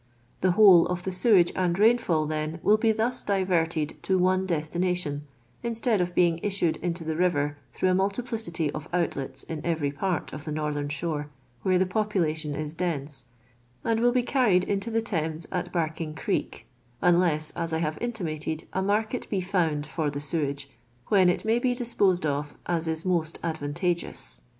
The whole of the sewage and rainfall, then, will Ite thus dirorted to one destination, instead of being issued iiitJ the river through a multiplicity of outlets in every part of the northern shore where the population is dense, and will be carried into the Thames at Barking Creek, unless, as I huvc intimated, a market be found for the sewage ; when it may bo disposedof ns is most advantagt^ons.